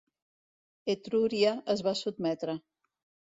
Etrúria es va sotmetre.